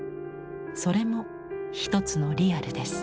それも一つのリアルです。